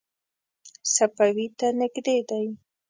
صفوي ته نږدې دی.